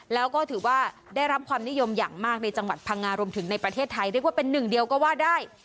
แล้วก็ถือว่าได้รับความนิยมอย่างมากในจังหวัดพังงารวมถึงในประเทศไทยเรียกว่าเป็นหนึ่งเดียวก็ว่าได้